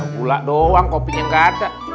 gula doang kopinya nggak ada